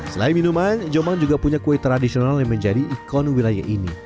selain minuman jombang juga punya kue tradisional yang menjadi ikon wilayah ini